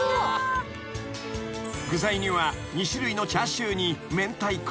［具材には２種類のチャーシューにめんたいこ。